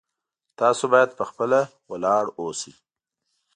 تاسو باید په خپله ولاړ اوسئ